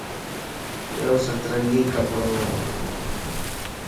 يوسترنگي ڪپڙووَ